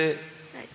はい。